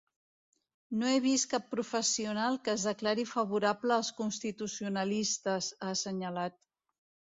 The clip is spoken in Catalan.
No he vist cap professional que es declari favorable als constitucionalistes, ha assenyalat.